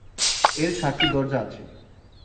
এর সাতটি দরজা আছে।